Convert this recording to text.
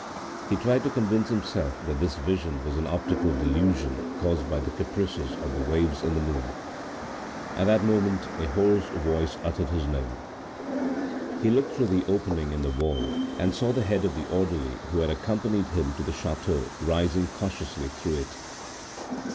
He tried to convince himself that this vision was an optical delusion caused by the caprices of the waves and the moon. At that moment, a hoarse voice uttered his name. He looked toward the opening in the wall, and saw the head of the orderly who had accompanied him to the chateau rising cautiously through it.